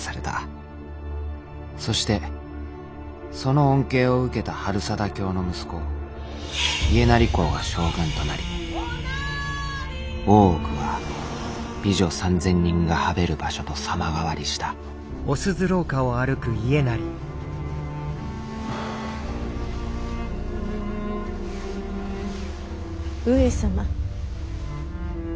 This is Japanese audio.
そしてその恩恵を受けた治済卿の息子家斉公が将軍となり大奥は美女３，０００人が侍る場所と様変わりした上様。